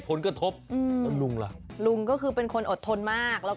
แต่บางครั้งมันก็นิ่งมันควรก็